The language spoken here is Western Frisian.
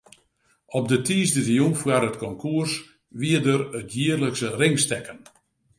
Op de tiisdeitejûn foar it konkoers wie der it jierlikse ringstekken.